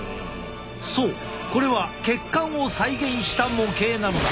そうこれは血管を再現した模型なのだ。